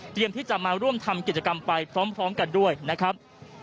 ที่จะมาร่วมทำกิจกรรมไปพร้อมกันด้วยนะครับ